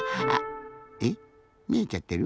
えっみえちゃってる？